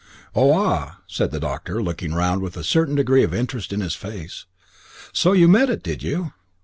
"Oh, ah!" said the doctor, looking round with a certain degree of interest in his face; "so you met it, did you?"